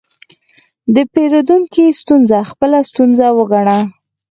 د پیرودونکي ستونزه خپله ستونزه وګڼه.